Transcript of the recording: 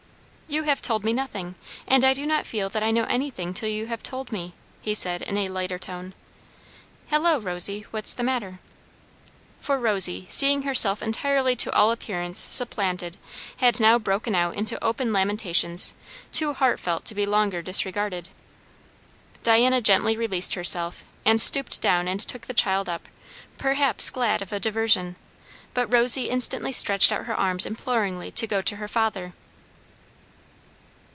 "You have told me nothing, and I do not feel that I know anything till you have told me," he said in a lighter tone. "Hallo, Rosy! what's the matter?" For Rosy, seeing herself entirely to all appearance supplanted, had now broken out into open lamentations, too heartfelt to be longer disregarded. Diana gently released herself, and stooped down and took the child up, perhaps glad of a diversion; but Rosy instantly stretched out her arms imploringly to go to her father.